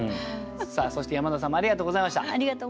そして山田さんもありがとうございました。